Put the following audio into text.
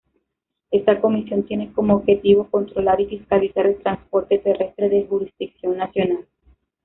Esta comisión tiene como objetivo, controlar y fiscalizar el transporte terrestre de jurisdicción nacional.